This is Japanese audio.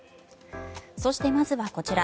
そして、まずはこちら。